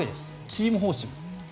チーム方針。